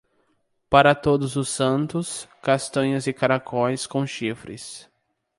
Para todos os santos, castanhas e caracóis com chifres.